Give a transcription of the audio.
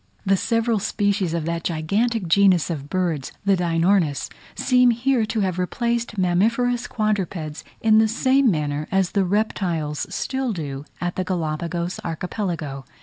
The several species of that gigantic genus of birds, the Deinornis seem here to have replaced mammiferous quadrupeds, in the same manner as the reptiles still do at the Galapagos archipelago.